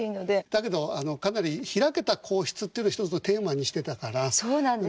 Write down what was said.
だけどかなり開けた皇室っていうのを一つのテーマにしてたからそうなんですね。